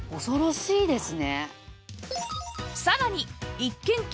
恐ろしいですね。